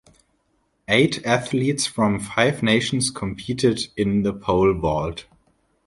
Eight athletes from five nations competed in the pole vault.